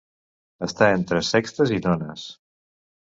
Estar entre sextes i nones.